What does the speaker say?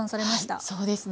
そうですね。